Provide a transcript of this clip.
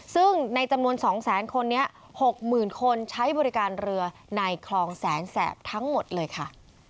ซึ่งในจำนวน๒แสนคนนี้๖๐๐๐คนใช้บริการเรือในคลองแสนแสบทั้งหมดเลยค่ะ